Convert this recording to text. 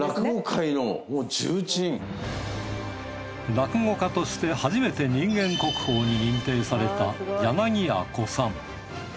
落語家として初めて人間国宝に認定された柳家小さん。